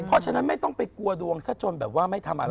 เพราะฉะนั้นไม่ต้องไปกลัวดวงซะจนแบบว่าไม่ทำอะไร